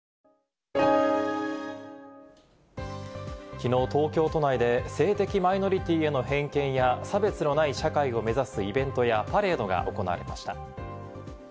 昨日、東京都内で性的マイノリティーへの偏見や差別のない社会を目指すイベントやパレードが行われました。